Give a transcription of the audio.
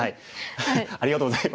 ありがとうございます。